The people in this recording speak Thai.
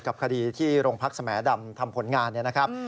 กับคดีที่โรงพักษณ์แสมดำทำผลงานนะครับ